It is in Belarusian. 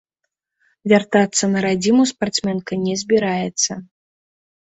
Вяртацца на радзіму спартсменка не збіраецца.